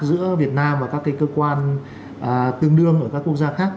giữa việt nam và các cơ quan tương đương ở các quốc gia khác